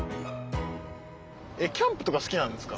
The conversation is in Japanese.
キャンプとか好きなんですか？